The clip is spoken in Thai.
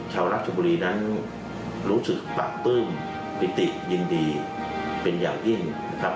รัชบุรีนั้นรู้สึกปราบปลื้มปิติยินดีเป็นอย่างยิ่งนะครับ